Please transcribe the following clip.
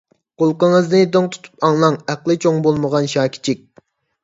قۇلىقىڭىزنى دىڭ تۇتۇپ ئاڭلاڭ ئەقلى چوڭ بولمىغان شاكىچىك!